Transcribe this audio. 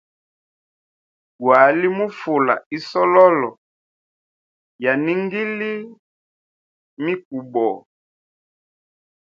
Gwali mu fula isololo ya ningili mikubo.